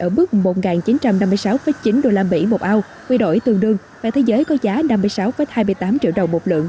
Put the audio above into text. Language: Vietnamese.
ở mức một chín trăm năm mươi sáu chín usd một ao quy đổi tương đương và thế giới có giá năm mươi sáu hai mươi tám triệu đồng một lượng